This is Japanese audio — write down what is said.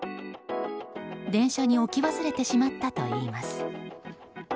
電車に置き忘れてしまったといいます。